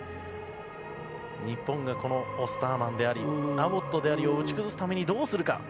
日本がオスターマンでありアボットでありを打ち崩すためにどうするか。